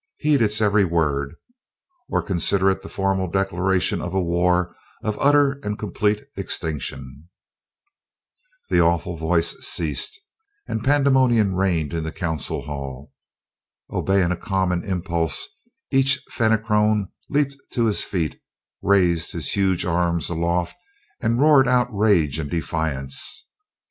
Heed its every word, or consider it the formal declaration of a war of utter and complete extinction!" The awful voice ceased and pandemonium reigned in the council hall. Obeying a common impulse, each Fenachrone leaped to his feet, raised his huge arms aloft, and roared out rage and defiance.